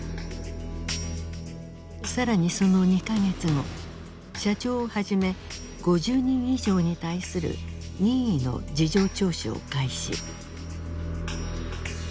更にその２か月後社長をはじめ５０人以上に対する任意の事情聴取を開始。